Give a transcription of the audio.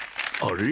あれ？